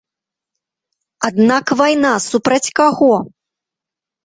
Аднак вайна супраць каго?